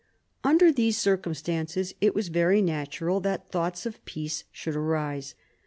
Under these circumstances, it was very natural that thoughts of peace should arise.